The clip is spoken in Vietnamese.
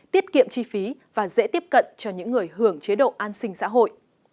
tiết kiệm chi phí và dễ tiếp cận cho những người hưởng chế độ an sinh xã hội